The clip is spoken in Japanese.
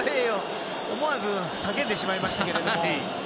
思わず叫んでしまいましたけども。